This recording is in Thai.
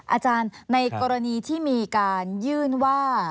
อาจารย์ในกรณีที่มีการยื่นว่า